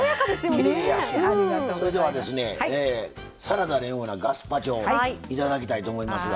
サラダのようなガスパチョを頂きたいと思います。